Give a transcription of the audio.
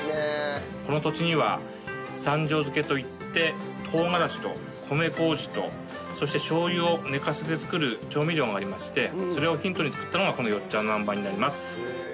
この土地には三升漬といって唐辛子と米麹とそしてしょう油を寝かせて作る調味料がありましてそれをヒントに作ったのがこのよっちゃんなんばんになります。